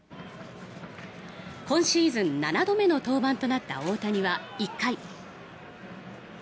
今シーズン７度目の登板となった大谷は１回。